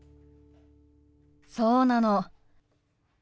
そうなの。